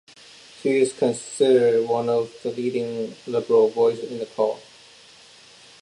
She is considered one of the leading liberal voices in the Court.